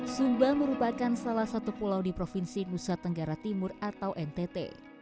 sumba merupakan salah satu pulau di provinsi nusa tenggara timur atau ntt